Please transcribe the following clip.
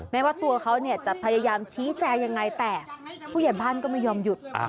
แม้ว่าตัวเขาจะพยายามชี้แจงยังไงแต่ผู้ใหญ่บ้านก็ไม่ยอมหยุด